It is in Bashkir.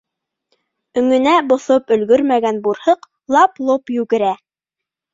Өңөнә боҫоп өлгөрмәгән бурһыҡ лап-лоп йүгерә.